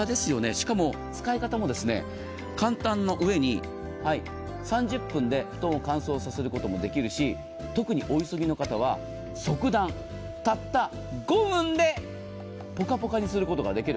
しかも、使い方も簡単な上に、３０分で布団を乾燥させることもできるし、特にお急ぎの方は速暖、たった５分でぽかぽかにすることができる。